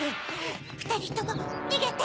ふたりともにげて！